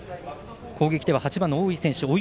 攻撃では８番の大井選手